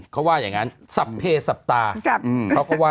เขาว่าอย่างงั้นสับเพจสับตา